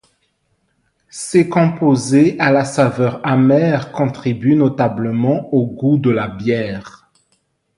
Ces composés à la saveur amère contribuent notablement au goût de la bière.